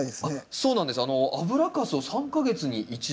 そうなんです。